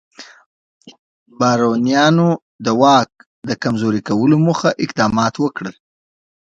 بارونیانو د واک د کمزوري کولو موخه اقدامات وکړل.